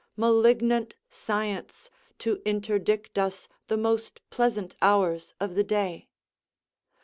Malignant science, to interdict us the most pleasant hours of the day!